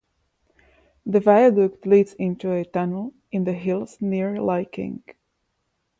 The viaduct leads into a tunnel in the hills near Lai King.